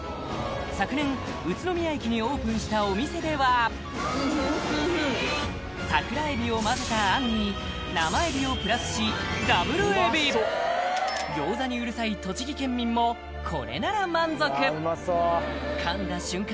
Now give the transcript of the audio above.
昨年宇都宮駅にオープンしたお店では桜エビをまぜた餡に生エビをプラスし餃子にうるさい栃木県民もこれなら満足噛んだ瞬間